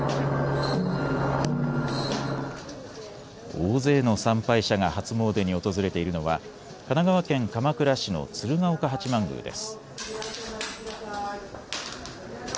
大勢の参拝者が初詣に訪れているのは神奈川県鎌倉市の鶴岡八幡宮です。